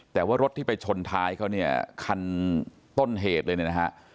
แต่ว่ารถที่ไปชนท้ายเขาเนี่ยคันต้นเหตุเลยเนี่ยนะฮะ